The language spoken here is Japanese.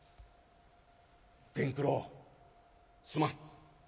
「伝九郎すまん。